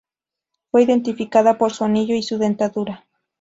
Fue identificada por su anillo y su dentadura.